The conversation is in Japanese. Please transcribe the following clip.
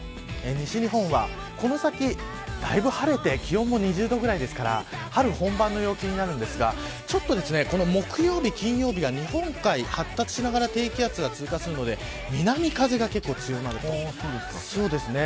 西日本は、この先だいぶ晴れて気温も２０度ぐらいですから春本番の陽気になるんですがちょっと木曜日、金曜日は日本海、発達しながら低気圧が通過するので南風が結構強まります。